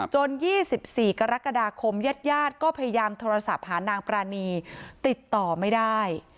๒๔กรกฎาคมญาติญาติก็พยายามโทรศัพท์หานางปรานีติดต่อไม่ได้